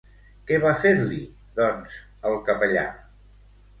Què va fer-li, doncs, el capellà?